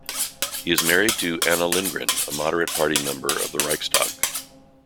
He is married to Anna Lindgren, a Moderate Party member of the Riksdag.